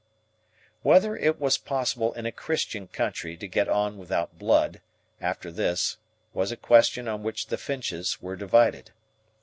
Whether it was possible in a Christian country to get on without blood, after this, was a question on which the Finches were divided.